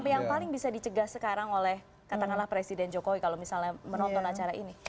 apa yang paling bisa dicegah sekarang oleh katakanlah presiden jokowi kalau misalnya menonton acara ini